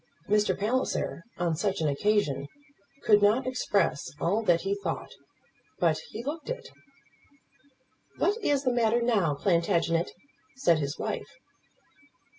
Mr. Palliser, on such an occasion, could not express all that he thought; but he looked it. "What is the matter, now, Plantagenet?" said his wife.